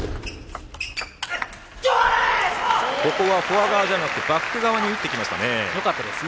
ここはフォア側じゃなくてバック側に打ってきましたね。